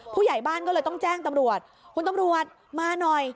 ผู้ใหญ่บ้านก็เลยต้องแจ้งตำรวจคุณตำรวจมาหน่อย